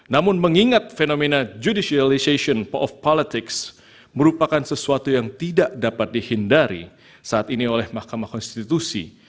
namun mengingat fenomena judicialisition of politics merupakan sesuatu yang tidak dapat dihindari saat ini oleh mahkamah konstitusi